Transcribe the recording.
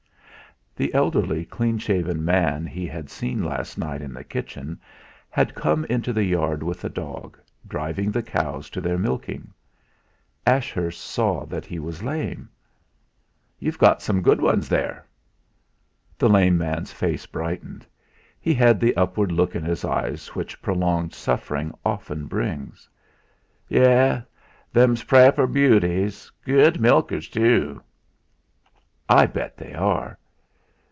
The elderly, clean shaven man he had seen last night in the kitchen had come into the yard with a dog, driving the cows to their milking. Ashurst saw that he was lame. "You've got some good ones there!" The lame man's face brightened. He had the upward look in his eyes which prolonged suffering often brings. "Yeas; they'm praaper buties; gude milkers tu." "I bet they are."